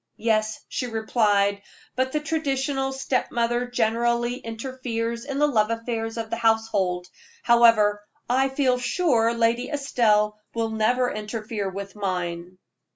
"Yes," she replied: "but the traditional step mother generally interferes in the love affairs of the household. However, I feel quite sure Lady Estelle will never interfere with mine."